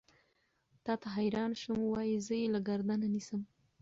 تا ته حېران شوم وائې زۀ يې له ګردنه نيسم